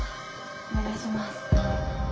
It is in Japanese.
お願いします。